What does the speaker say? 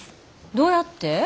どうやって？